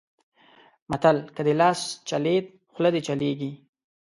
متل؛ که دې لاس چلېد؛ خوله دې چلېږي.